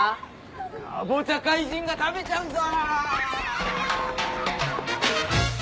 カボチャ怪人が食べちゃうぞ！